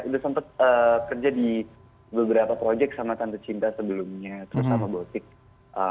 udah sempet kerja di beberapa project sama tante cinta sebelumnya terus sama boutique